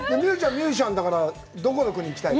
ミュージシャンだからどこの国に行きたいの。